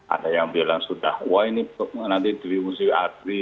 ada yang bilang sudah wah ini nanti di musuh adri